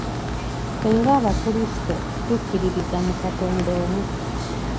Ffe nga Abakrisito, tukkiririza mu Katonda omu.